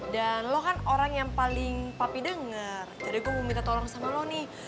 dan lo kan orang yang paling papi denger jadi gue mau minta tolong sama lo nih